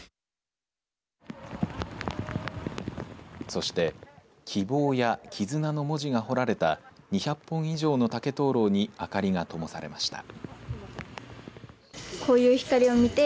そして希望や絆の文字が彫られた２００本以上の竹灯籠に明かりがともされました。